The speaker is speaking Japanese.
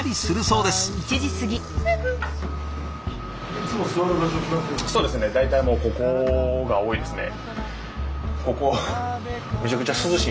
そうですね大体ここが多いですね。